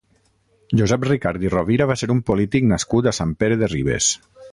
Josep Ricart i Rovira va ser un polític nascut a Sant Pere de Ribes.